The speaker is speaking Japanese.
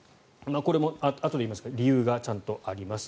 これも、あとで言いますが理由がちゃんとあります。